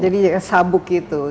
jadi sabuk itu